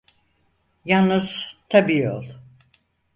Yalnız, tabi ol…